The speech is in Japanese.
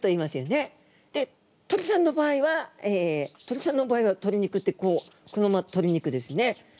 で鳥さんの場合はえ鳥さんの場合は鳥肉ってこうこのまま鳥肉ですね。